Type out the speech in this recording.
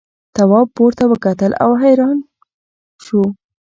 تواب پورته وکتل او حیران شو.